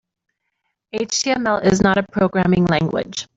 HTML is not a programming language.